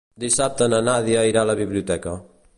Dissabte na Nàdia irà a la biblioteca.